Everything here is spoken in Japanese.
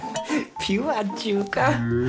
ピュアっちゅうか。